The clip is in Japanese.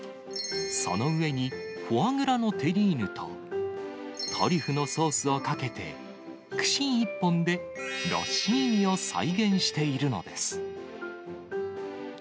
その上にフォアグラのテリーヌと、トリュフのソースをかけて、串一本でロッシーニを再現しているのです。